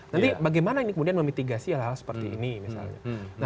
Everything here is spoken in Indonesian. nanti bagaimana ini kemudian memitigasi hal hal seperti ini misalnya